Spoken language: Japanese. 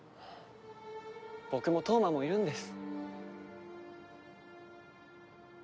僕も飛羽真もいるんです。